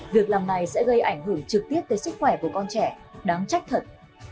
việc làm này sẽ gây ảnh hưởng trực tiếp tới sức khỏe của con trẻ đáng trách thật